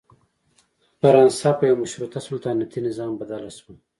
فرانسه پر یوه مشروط سلطنتي نظام بدله شوه.